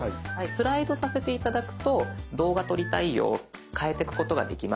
スライドさせて頂くと動画撮りたいよ変えてくことができますので。